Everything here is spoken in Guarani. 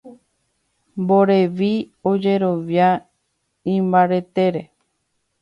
Mborevi ojerovia imbaretére.